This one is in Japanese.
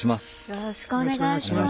よろしくお願いします。